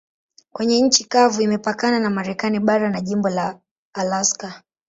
Kwenye nchi kavu imepakana na Marekani bara na jimbo la Alaska.